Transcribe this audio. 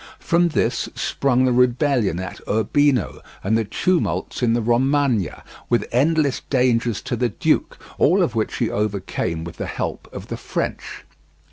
From this sprung the rebellion at Urbino and the tumults in the Romagna, with endless dangers to the duke, all of which he overcame with the help of the French.